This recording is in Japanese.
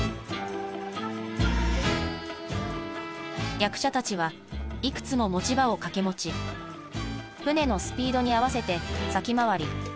役者たちはいくつも持ち場を掛け持ち船のスピードに合わせて先回り。